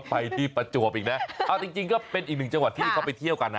ไปที่ประจวบอีกนะเอาจริงก็เป็นอีกหนึ่งจังหวัดที่เขาไปเที่ยวกันนะ